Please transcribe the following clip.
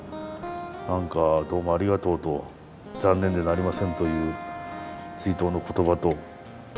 何か「どうもありがとう」と「残念でなりません」という追悼の言葉と。